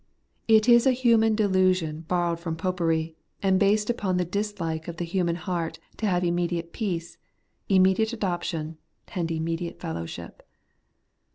It is a human delusion borrowed from Popery, and based upon the dislike of the human heart to have immediate peace, immediate adoption, and immediate fellowship.